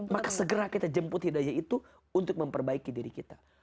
maka segera kita jemput hidayah itu untuk memperbaiki diri kita